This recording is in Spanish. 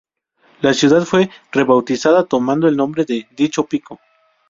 La ciudad fue rebautizada tomando el nombre de dicho pico.